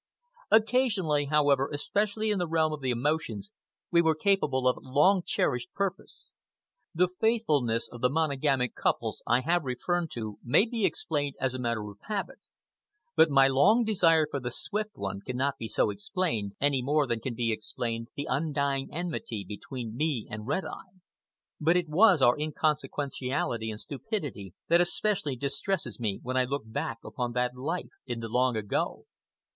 Occasionally, however, especially in the realm of the emotions, we were capable of long cherished purpose. The faithfulness of the monogamic couples I have referred to may be explained as a matter of habit; but my long desire for the Swift One cannot be so explained, any more than can be explained the undying enmity between me and Red Eye. But it was our inconsequentiality and stupidity that especially distresses me when I look back upon that life in the long ago.